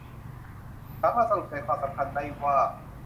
สามารถสรุปใจความสำคัญได้ว่า